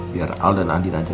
biar al dan andi aja